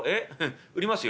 「売りますよ」。